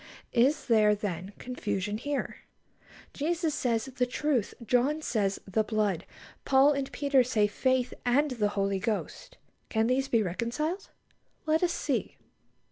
Is there, then, confusion here? Jesus says, "the truth"; John says, "the blood"; Paul and Peter say, "faith," and "the Holy Ghost." Can these be reconciled? Let us see.